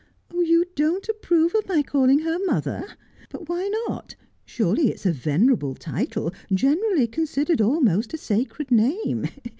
' You don't approve of my calling her mother ? But why not 1 Surely it's a venerable title, generally considered almost a sacred name.